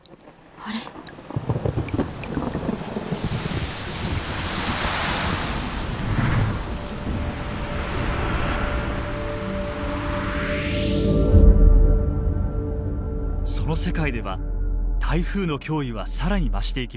その世界では台風の脅威は更に増していきます。